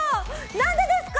何でですか？